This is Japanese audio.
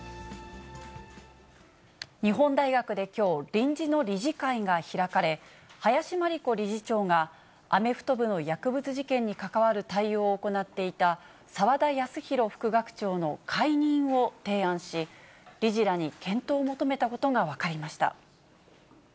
日本大学できょう、臨時の理事会が開かれ、林真理子理事長が、アメフト部の薬物事件に関わる対応を行っていた、澤田康広副学長の解任を提案し、理事らに検討を求めたことが分かりました。